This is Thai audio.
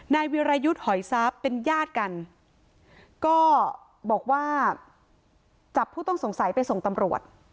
วิรายุทธ์หอยทรัพย์เป็นญาติกันก็บอกว่าจับผู้ต้องสงสัยไปส่งตำรวจ